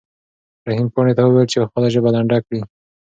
رحیم پاڼې ته وویل چې خپله ژبه لنډه کړي.